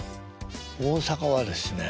大阪はですね